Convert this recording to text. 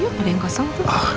jangan ada yang kosong tuh